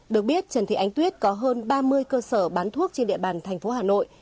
được biết trần thị ánh tuyết có hơn ba mươi cơ sở bán thuốc trên địa bàn thành phố hà nội